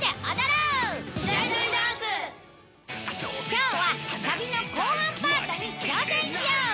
今日はサビの後半パートに挑戦しよう！